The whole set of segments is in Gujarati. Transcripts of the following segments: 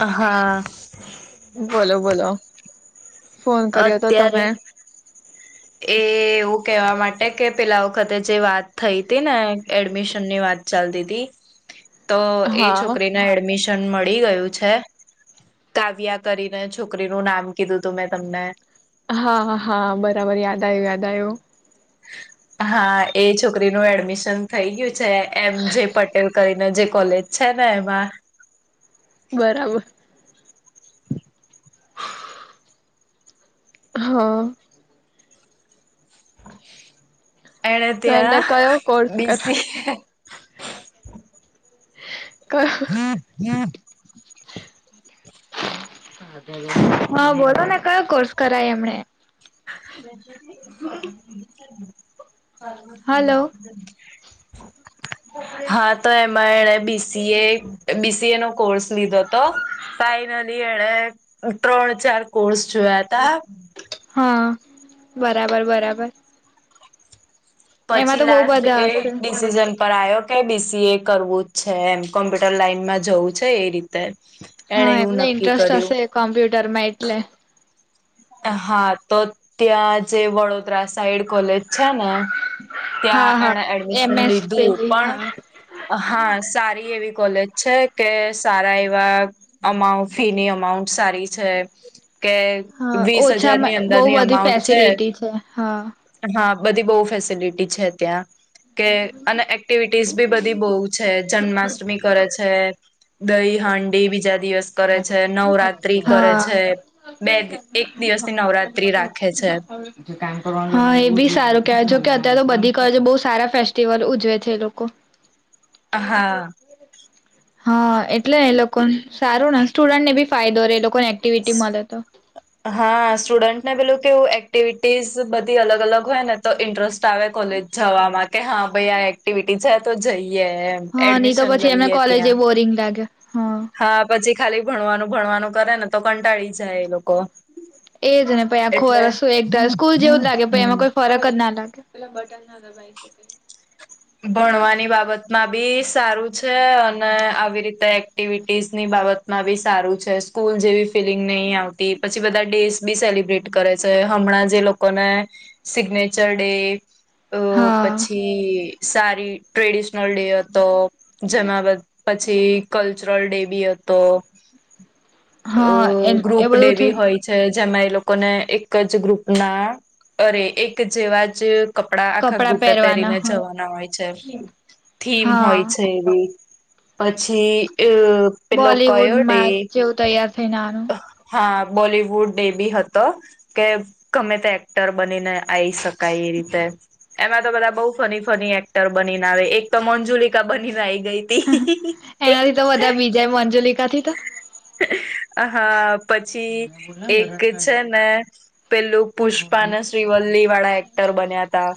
હા બોલો બોલો ફોન, કર્યો તો અત્યારે તમે એ એવું કેહેવા માટે કે પેલા વખતે જે વાત થઈ તી ને એડમિશન ની વાત ચાલતી તી તો, એ હા છોકરીને એડમિશન મળી ગયું છે કાવ્યા, કરીને છોકરીનું નામ કીધું હતું મેં તમને હા, હા, બરાબર યાદ આયુ યાદ આયુ હા, એ છોકરી નુ એડમિશન થઈ ગયું એમ જે પટેલ કરી ને જે કોલેજ છે, ને એમાં બરાબર હા [inaudible] એણે તો એને ત્યાં કયો કોર્સ કર બેસી [inaudible] હા, બોલો ને કયો કોર્સ કરાય એમણે [inaudible] હલો [inaudible] હા, તો એમાં એણે બીસીએ, બીસીએ નો કોર્સ લીધો હતો, ફાઈનલી એણે ત્રણ, ચાર, કોર્સ જોયા તા હા, બરાબર, બરાબર એમાં પછી તો બહુ લાસ્ટ બધા એ હશે ડિસિઝન પર આવો કે બીસી એ કરવું જ છે, એમ કોમ્પ્યુટર લાઈનમાં જવું છે એ રીતે એણે હા, એવું એમને નક્કી ઇન્ટરેસ્ટ કર્યું હશે કોમ્પ્યુટરમાં એટલે હા, તો ત્યાં જે વડોદરા સાઈડ કોલેજ છે ને ત્યાં હા એણે હા એમ એડમિશન એસ લીધું પેલી પણ, હા હા, સારી એવી કોલેજ છે કે સારા એવા અમાઉન્ટ ફીની અમાઉન્ટ સારી છે કે હા, વીસ હજારની ઓછામાં, બહુ અંદરની બધી અમાઉન્ટ છે ફેસિલિટી છે, હા હા બધી બહુ ફેસિલિટી છે ત્યાં કે અને એક્ટિવિટીઝ બી બધી બઉ છે, જન્માષ્ટમી કરે છે છે દહી હાંડી બી જ દિવસ કરે છે, નવરાત્રી કરે છે, હા બેિવ હા એ બી સારું કેવાય કે અત્યારે તો [unintelligible] [unintelligible] બહુ સારા ફેસ્ટિવલ ઉજવે છે, એ લોકો [inaudible] હા હા એટલે એ લોકો સારું ને સ્ટુડન્ટ ને બી ફાયદોે એ લોકો હા સ્ટુડન્ટ ને પેલું કેું એક્ટિવિટીઝ બધી અલગ અલગ હોય ને તો ઇન્ટરેસ્ટ આવે કોલેજ જવામાં કે હા ભાઈ આ એક્ટિવિટી જાય તો જઈ હા નહી તો પછી એમને કોલેજ બોરિંગ [unintelligible] હા પછી ખાલી ભણવાનું ભણવાનું. કરે ને તો કંટાળી જાય એ લોકો એજ ને [unintelligible] આખું એટલે અરસું એકર સ્કૂલ જેવું હમ જ લાગે એમાં કોઈ ફરક જ ના લાગે. પેલા બટર ના દબાઈ શકે. ભણવાની બાબતમાં. બી સારું છે, અને આવી રીતે એક્ટિવિટીઝની બાબતમાં બી સારું છે, સ્કૂલ જેવી ફિલિંગ નહી આવતી પછી બધા ડેસ બી સેલિબ્રેટ કરે છે, હમણાં જે લોકોને સિગ્નેચર ડે. અ હા પછી સારી ટ્રેડિશનલ ડે હતો જેમાં [unintelligible] પછી કલ્ચરલ ડે બી હતો. અ હા એ ગ્રુપ એ ડે બધું થઈ બી હોય છે. જેમાં એ લોકોને એક જ ગ્રુપના અરે એક જેવા જ કપડા આખા ગ્રુપે પહેરવાના પહેરીને [unintelligible] હોય [unintelligible] થીમ હા હોય છે, એવી. પછી અ પેલો કોયો ડે બોલીવુડમાં જેવું તૈયાર થઈને આવાનું હા બોલીવુડ ડેબી હતો કે ગમે તે એક્ટર બનીને આઈ શકાય એ રીતે એમાં તો બધા બહુ ફની ફની એક્ટર બનીને આવે એક તો મંજુલિકા બનીને આ એનાથી તો બધા બીજા મંજોલિકા થી તો હા. પછી એક છે, ને પેલું પુષ્પા અને શ્રીવલ્લી વાળા એક્ટર બન્યા તા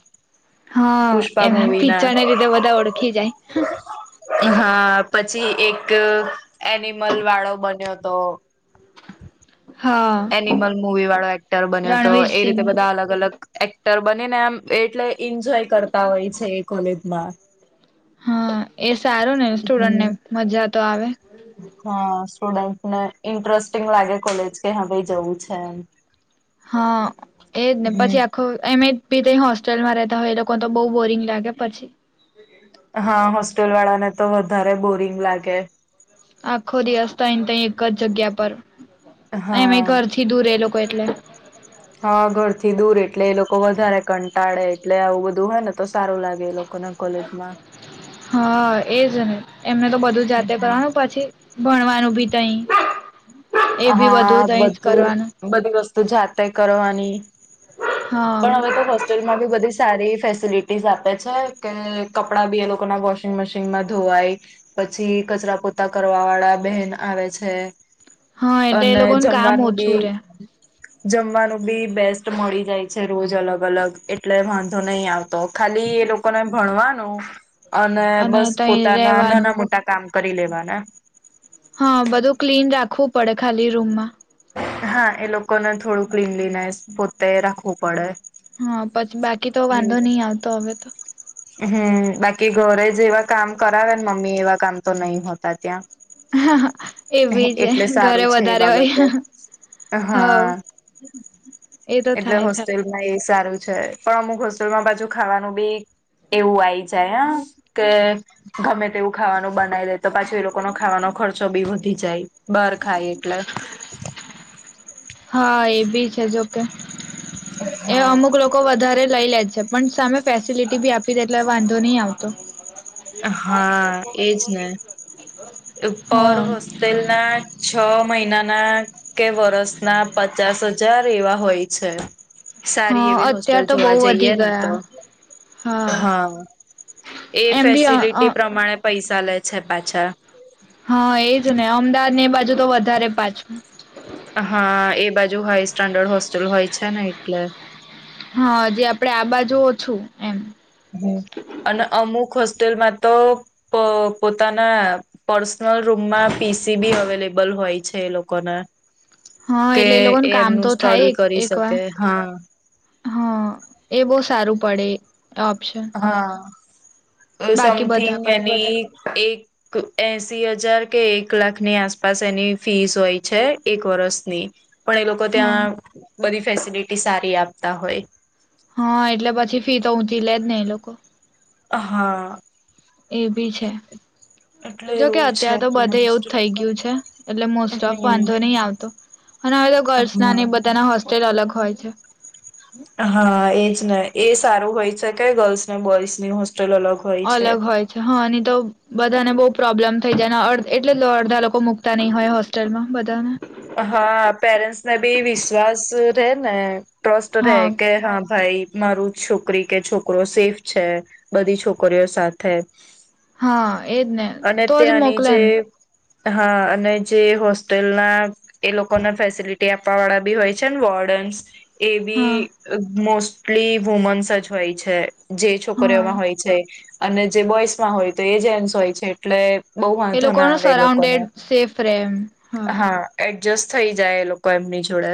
હા પુષ્પા એમાં મુવી ના. પિક્ચરને લીધે બધા ઓળખી જાય હા પછી એક એનિમલ વાળો. બન્યો તો. હા એનિમલ મુવી વાળો એક્ટર બન્યો હતો રણવીર એ સિંગ રીતે બધા અલગ અલગ એક્ટર બનીને એમ એટલે એન્જોય કરતા હોય છે, એ કોલેજમાં. હા એ સારું ને સ્ટુડન્ટ ને હમ મજા તો આવે. હા, સ્ટુડન્ટને ઇન્ટરેસ્ટિંગ લાગે કોલેજ કે, હા ભાઈ જવું છે એમ હા, એજ ને પછી હમ આખો એમે પીટી હોસ્ટેલમાં રેતા હોય એ લોકો તો બહુ બોરિંગ લાગે પછી હા, હોસ્ટેલ વાળા ને તો વધારે બોરિંગ લાગે આખો દિવસ તઈન તઈ એક જગ્યા પર હા એમે ઘરથી દૂર એ લોક કોઈટલે હાઘર થી દૂર એટલે એ લોકો વધારે કંટાળે એટલે આવું બધું હોય ને તો સારું લાગે એ લોક હા એજ ને એમને તો બધું જાતે હમ કરવાનું પછી ભણવાનું અભી તઈ એ બી બધું હા, તઈ જ બધું કરવાનું બધી વસ્તુ જાતે કરવાની હા પણ હવે તો હોસ્ટેલ માં બી બધી સારી ફેસિલિટીઝ આપે છે, કે કપડા બી એ લોકો ના વોશિંગ મશીનમાં ધોવાય પછી કચરા પોતા કરવા વાળા બહેન આવે છે હા, એટલે એ અને લોકોનું કામ જમવાનું ઓછું બી રે જમવાનું બી બેસ્ટ મળી જાય છે, રોજ અલગ અલગ એટલે વાંધો નહી આવતો ખાલી એ લોકોને ભણવાનું અને બસ તઈ પોતાના રેવાનું -નાના મોટા કામ કરી લેવાના હા બધું ક્લીન રાખવું પડે ખાલી રૂમમાં હા, એ લોકોને થોડું ક્લીનલીનેસ પોતે રાખવું પડે હા પછી બાકી કી તો વાંધો એવું નહી આવતો હવે તો હમ, બાકી ઘરે જેવા કામ કરાવે ને મમ્મી એવા કામ તો નહી, હોતા ત્યાં હા હ એ બી છે એટલે ઘરે સારું છે એ વધારે બાબતે હોય હવ હા એતો એટલે થાય, થાય હોસ્ટેલમાં એ સારું છે, પણ અમુક હોસ્ટેલમાં બાજુ ખાવાનું બી એવું આઈ જાય હ, કે ગમે તેવું ખાવાનું બનાવી દે તો પાછી એ લોકો ન ખાવાનો ખર્ચોબી વધી જાય બહાર ખાય એટલે હા, એ બી છે જોકે એ હા અમુક લોકો વધારે લઈ લેજ છે પણ સામે ફેસિલિટી બી આપી દે એટલે વાંધો ની આવતો હા, એજ ને પર હા હોસ્ટેલ ના છ મહિના મહિના ના કે વરસ ના પચાસ હજાર એવા હોય છે સારી હા એવી હોસ્ટેલ અત્યાર તો બહુ જોવા જઈએ વધી ને ગયા તો હા, એ એમ બી અ અ ફેસિલિટી પ્રમાણે પૈસા લે છે પાછા હા, એજ ને અમદાવાદ ને એ બાજુ તો વધારે પાછું હા, એ બાજુ હાઈ સ્ટાન્ડર્ડ હોસ્ટેલ હોય છે ને એટલે હા, જે આપડે આ બાજુ ઓછું એમ અને અમુક હોસ્ટેલમાં તો પોતાના પર્સનલ રૂમમાં પીસી બી અવેલેબલ હોય છે એ લોકોના હા, એટલે એ લોકોને કામ તો થાય સ્ટડી કરી એક વાર શકે હા હા એ બહુ સારું પડે ઓપ્શન હા. અ બાકી સમથિંગ બધા એને કરતા એક એસી હજાર કે એક લાખની આસપાસ એની ફીસ હોય છે, એક વર્ષની. પણ એ લોકો હા ત્યાં બધી ફેસિલિટી સારી આપતા હોય. હા, એટલે પછી ફી તો ઊંચી લેજ ને એ લોકો હા. એ ભી છે. એટલે જોકે એવું છે અત્યારેાર તો બધે ત્યાં એવું જ થઈ હોસ્ટેલનું. ગયું છે, એટલે મોસ્ટ ઓફ હમ વાંધો નહી આવતો અને હવે તો ગર્લ્સ ના નહ હા બધાના હોસ્ટેલ અલગ હોય છે. હા, એજ ને એ સારું હોય શકે ગર્લ્સ ને બોઈસ ની હો. અલગ હોય છે, હા તો બધાને બો પ્રોબ્લેમ થઈ જાય ધ એટલે અડધા લોકો મુૂકતા નહી હોય હોસ્ટેલમાં બધાને. હા પેરેન્ટ્સ ને બી વિશ્વાસ રહેે ને. ટ્રસ્ટ રહે હા કે હા ભાઈ મારું છોકરી કે છોકરો સેફ છે, બધી છોકરીઓ સાથે. હા એજ ને અને તોજ ત્યાંની જે મોકલેને. હા અને જે હોસ્ટેલના એ લોકોને ફેસિલિટી આપવા વાળા બી હોય છે ને વોર્ડન્સ. એ હા ભી મોસ્ટ કેટલી વુમન્સ જ હોય છે. જે છોકરીઓમાં હા હોય છે. અને જે બોઈજમા હોય તો એ જેન્ટસ હોય છે એટલે બહુ એ વાંધો લોકો ના ન આવે એ સરાઉન્ડેડ લોકોને સેફ રે એમ. હા. એડજસ્ટ થઈ જાય એ લોકો એમની જોડે.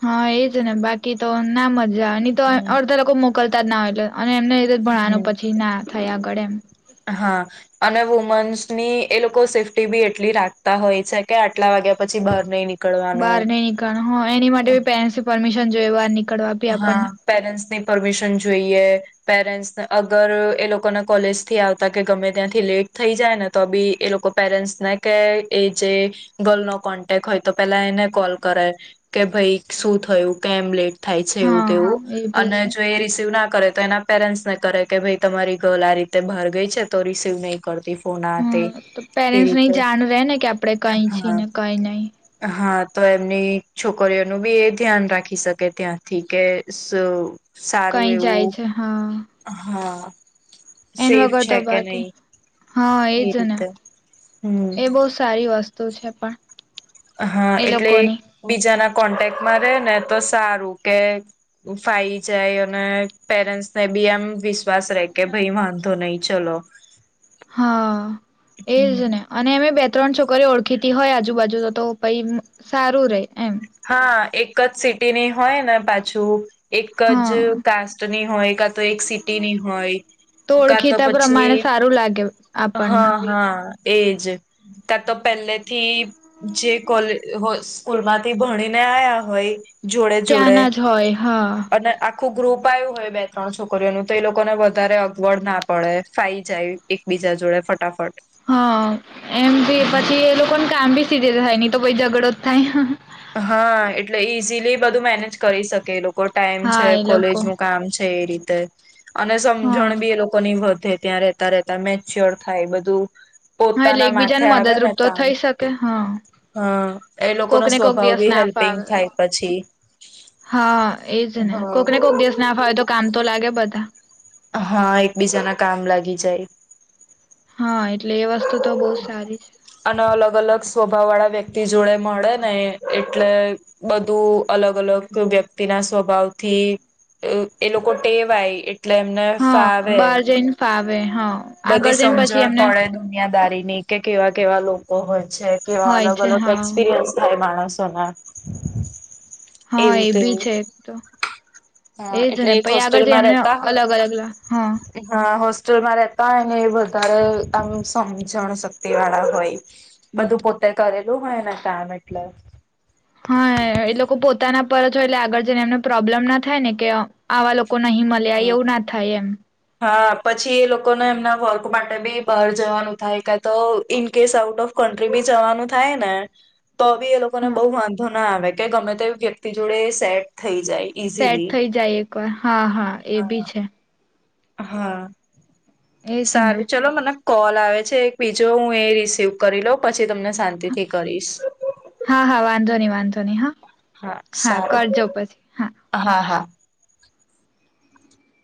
હા એજ ને બાકી તો નામ જ. જ ની તો હમ અડધા લોકો મો. મોકલતા જ નથી એટલે અને એમને એ જ રીતે હમ ભણાવાનું પછી ના થયા. કડમ. હા અને વુમન્સની એ લોકો સેફ્ટી બી એટલી રાખતા હોય છે કે, આટલા વાગ્યા પછી બહાર નહી નીક. બહાર નઈ નીકળ હ એની માટે પેરેન્ટ પરમિશન લેવાની. હા પેરેન્ટ્સની પરમિશન જોઈએ પેરેન્ટ્સને અગર એ લોકોને કોલેજથી આવતા કે ગમે ત્યાંથી લેટ થઈ જાય ને તો બી એ લોકો પેરેન્ટ્સને કે એ જે ગર્લ નો કોન્ટેક હોય તો પેલા એને કોલ કરે કે ભાઈ શું થયું કેમ લેટ? થાય છે એવું હા તેવું એ બી અને છે જો એ રિસીવ ના કરે તો એના પેરેન્ટ્સ કરે કે ભાઈ તમારી ગર્લ આ રીતે બહાર ગઈ છે તો રિસીવ નહી કરતી ફોન આ તે હા તો એ પેરેન્ટ્સ ને રીતે જાણ રે ને કે આપડે કઈ છીએ હા ને કઈ નહી. હા તો એમની છોકરીઓનું બી એ ધ્યાન રાખી શકે. કે ત્યાંથી કે સારું કઈ જાય એવું છે હા. હા. એન સેફ વગર તો છે કે બાકી નહી હા એજ એ ને રીતે હમ એ બહ સારી વસ્તુ. તો છે પણ હા એ એટલે લોકોની બીજાના. કોન્ટેકમાં રે ને તો સારું કે ફાઈ જાય અને પેરેન્ટસને બી એમ વિ વિશ્વાસ રહે કે ભાઈ વાંધો નહીં. ચલો. હા એજ હમ ને અને એમે બે ત્રણ છોકરી ઓળખીતી હોય આજુબાજુ તો તો પહી સારું રે. એમ હા એક. કચ્છ સિટીની હોય ને પાછું એક જ હા કાસ્ટની હોય કા તો એક સિટીની હોય તો કા ઓળખીતા પછી પ્રમાણે સારું લાગે આપણને હા બી હા એજ ત્યાં તો પહેલેથી જે કો સ્કૂલમાં થી ભણી ને આયા હોય જોડે જોડે ત્યાંના જ હોય હા અને આખું ગ્રુપ આવ્યું હોય બે, ત્રણ છોકરીઓનું તો એ લોકોને વધારે અગવડ ના પડે ફાઈ જાય એકબીજા જોડે ફટાફટ હા, એમથી હા પછી એ લોકોને કામ બી સીધે થાય તો, ભઈ ઝઘડો થાય હા, એટલે ઈઝીલી બધું મેનેજ કરી શકે એ લોકો ટાઈમ હા છે એ કોલેજ લોકો નું કામ છે એ રીતે તે અને હા સમજણ બી એ લોકો ની વધે ત્યાં રહેતા રહેતા મેચ્યોર થાય બધું હા એટલે પોતાના એકબીજાને માથે આવે ને મદદરૂપ તો કામ થઈ શકે હા હ એ લોકોનો સ્વભાવ કો દિવસ બી ના હેલ્પિંગ ફાવે, થાય પછી. હા, એજ ને હા. કોક ને કોક દિવસ ના ફાવે તો કામ તો લાગે બધા હા, એકબીજાના કામ લાગી જાય હા એટલે એ વસ્તુ તો બહુ સારી છે. અને અલગ અલગ સ્વભાવ વાળા વ્યક્તિ જોડે મળે ને એટલે બધું અલગ અલગ વ્યક્તિ ના સ્વભાવથી એ લોકો ટેવાય એટલે એમને હા ફાવે. બાર જઈને ફાવે. હા બધી આગળ જઈને પછી સમજણ એમને પડે દુનિયાદારી ની કે કેવા કેવા લોકો હોય. છે કે હોય અલગ છે અલગ હા એક્સપિરયન્સ થાય માણસ. માણસોના હા એવું એ ભી તેવું. છે એક તો હા એજ એટલે ને એક પછ આગળ જઈ હોસ્ટેલમાં એમને રહેતા અલગ અલગ લ હા. જો મારે તો એને વધારે આમ સમજણ શક્તિ વાળા હોય બધું પોતે કરેલું હોય એને કામ એટલે. હા એ લોકો પોતાના પણ છેલ્લે આગળ જઈને એમને પ્રોબ્લેમ ના થાય ને કે આવા લોકો નહી મળ્યા [unintelligible] હમ એવું ના થાય એમ. હા પછી એ લોકોને એમના વર્ક માટે બી બહાર જવાનું થાય કાતો ઇનકેસ આઉટ ઓફ કન્ટ્રી બી જવાનું થાય ને તો બી એ લોકો ને હા બહુ વાંધો ના આવે કે ગમે તેવી વ્યક્તિ એ જોડે સેટ થઈ જાય સેટ ઈઝીલી. થઈ જાય એક વાર હા, હા, એ બી હા. છે હા એજ ને સારું, ચલો મને કોલ આવે છે, એક બીજો હું એ રિસીવ કરી લઉ પછી તમને શાંતિથી કરીશ નિ વાંધો ની હ હા, સારું હા, હા